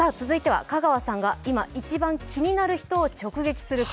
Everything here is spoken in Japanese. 続いては、香川さんが今一番気になる人との企画です。